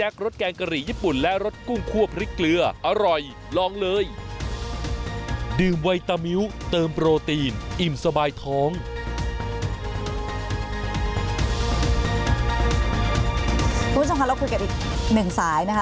คุณผู้ชมค่ะเราคุยกันอีกหนึ่งสายนะคะ